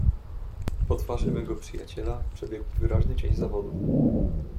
"Po twarzy mego przyjaciela, przebiegł wyraźny cień zawodu."